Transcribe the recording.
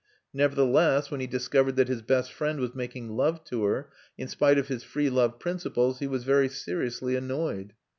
Nevertheless, when he discovered that his best friend was making love to her, in spite of his free love principles, he was very seriously annoyed.